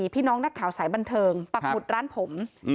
พี่น้องนักข่าวสายบันเทิงปักหมุดร้านผม